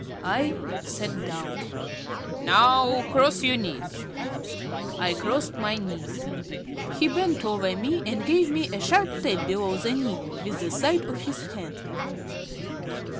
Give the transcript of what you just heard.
I sat down. "Now cross your knees." I crossed my knees. He bent over me and gave me a sharp tap below the knee with the side of his hand.